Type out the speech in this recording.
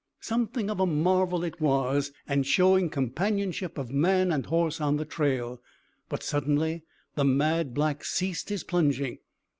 _" Something of a marvel it was, and showing companionship of man and horse on the trail; but suddenly the mad black ceased his plunging.